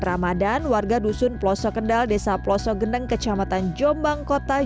ramadhan warga dusun ploso kendal desa plesso geneng kecamatan jombang kota